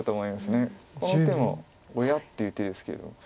この手も「おや？」っていう手ですけれども。